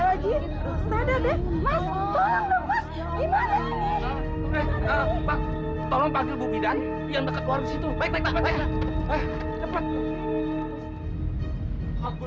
kali ini kau kumaafkan untuk kedua kali kalau kau gagal lagi kau tanggung risikonya